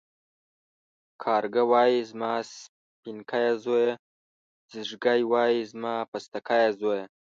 کارگه وايي زما سپينکيه زويه ، ځېږگى وايي زما پستکيه زويه.